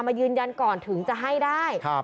มายืนยันก่อนถึงจะให้ได้